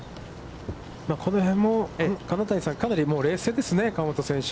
この辺も、金谷さん、かなり冷静ですね、河本選手。